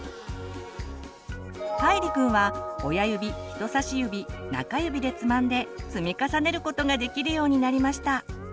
かいりくんは親指人さし指中指でつまんで積み重ねることができるようになりました。